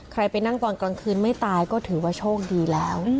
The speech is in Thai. ไปนั่งตอนกลางคืนไม่ตายก็ถือว่าโชคดีแล้ว